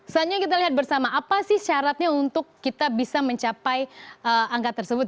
selanjutnya kita lihat bersama apa sih syaratnya untuk kita bisa mencapai angka tersebut